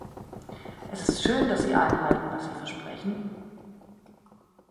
Es ist schön, dass Sie einhalten, was Sie versprechen.